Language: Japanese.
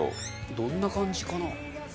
どんな感じかな？